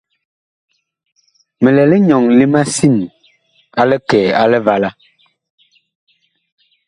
Mi lɛ linyɔŋ li masin a likɛ a Livala.